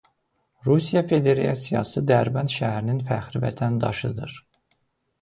Rusiya Federasiyası Dərbənd şəhərinin fəxri vətəndaşıdır.